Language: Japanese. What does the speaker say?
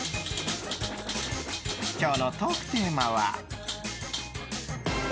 今日のトークテーマは？